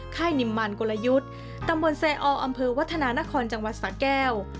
ค่ายนิมมันกลยุทธ์ตำบลแซออำเภอวัฒนานครจังหวัดสะแก้ว